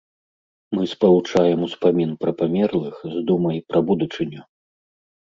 Мы спалучаем успамін пра памерлых з думай пра будучыню.